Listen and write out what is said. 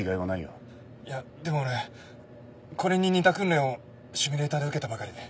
いやでも俺これに似た訓練をシミュレーターで受けたばかりで。